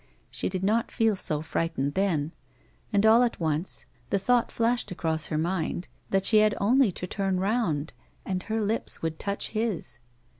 She did not feel so frightened then, and all at once the thought flashed across her mind that she had only to turn round and her lips would touch his.